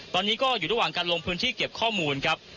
ตอนนี้ก็อยู่ระหว่างการลงพื้นที่เก็บข้อมูลครับ